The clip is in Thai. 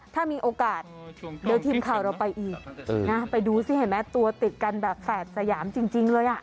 ถ้ามีโอกาสเดี๋ยวทีมข่าวเราไปอีกนะไปดูสิเห็นไหมตัวติดกันแบบแฝดสยามจริงเลยอ่ะ